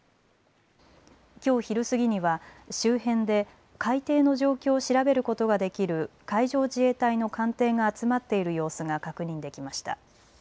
きょう昼過ぎには周辺で海底の状況を調べることができる海上自衛隊の艦艇が集まっている様子が確認できました。